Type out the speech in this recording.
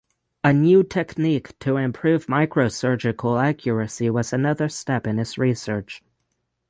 A new technique to improve microsurgical accuracy was another step in his research.